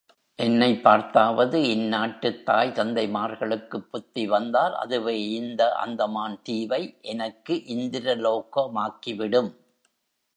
என்னைப் பார்த்தாவது இந்நாட்டுத் தாய் தந்தைமார்களுக்குப் புத்தி வந்தால், அதுவே இந்த அந்தமான் தீவை எனக்கு இந்திரலோகமாக்கிவிடும்.